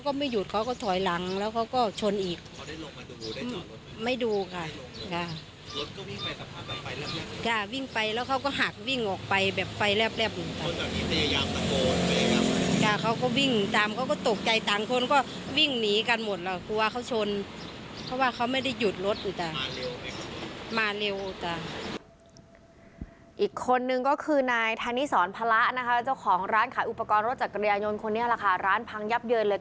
ไม่ดูเขาก็ไม่หยุดเขาก็ถอยหลังแล้วเขาก็ชนอีกไม่ดูค่ะวิ่งไปแล้วเขาก็หักวิ่งออกไปแบบไฟแรบเขาก็วิ่งตามเขาก็ตกใกล้ต่างคนก็วิ่งหนีกันหมดแล้วกลัวเขาชนเพราะว่าเขาไม่ได้หยุดรถมาเร็วอีกคนหนึ่งก็คือนายทานิสรพละนะคะเจ้าของร้านขายอุปกรณ์รถจัดกรรมยนต์คนนี้แหละค่ะร้านพังยับเยินเลยค่